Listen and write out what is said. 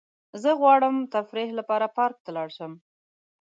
زه غواړم تفریح لپاره پارک ته لاړ شم.